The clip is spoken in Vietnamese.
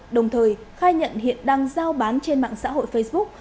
đồng thời khai nhận hiện đang giao bán trên mạng xã hội facebook